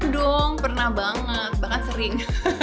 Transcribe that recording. dong pernah banget bahkan sering